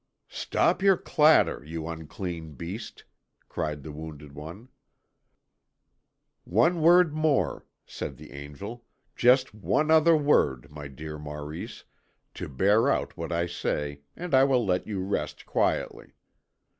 "Stop your clatter, you unclean beast," cried the wounded one. "One word more!" said the angel; "just one other word, my dear Maurice, to bear out what I say, and I will let you rest quietly.